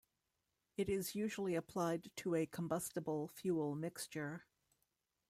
It is usually applied to a combustible fuel mixture.